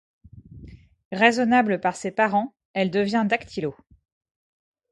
Raisonnable par ses parents, elle devient dactylo.